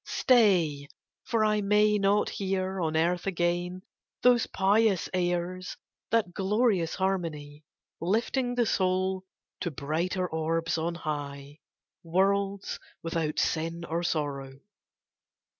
Stay, for I may not hear on earth again Those pious airs that glorious harmony; Lifting the soul to brighter orbs on high, Worlds without sin or sorrow!